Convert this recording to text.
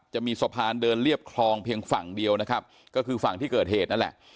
จะมีสะพานเดินเรียบคลองเพียงฝั่งเดียวนะครับก็คือฝั่งที่เกิดเหตุนั่นแหละ